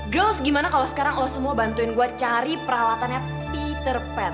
gills gimana kalau sekarang lo semua bantuin gue cari peralatannya peter pan